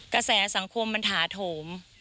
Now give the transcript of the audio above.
กระแสสังคมมันถาโถม